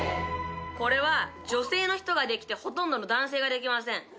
これは女性の人ができてほとんどの男性ができません。